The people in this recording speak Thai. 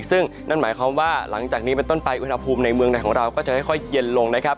ซึ่งนั่นหมายความว่าหลังจากนี้เป็นต้นไปอุณหภูมิในเมืองในของเราก็จะค่อยเย็นลงนะครับ